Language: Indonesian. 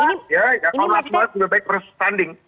ya kalau nasionalis lebih baik bersanding